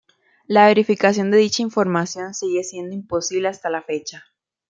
La verificación de dicha información sigue siendo imposible hasta la fecha.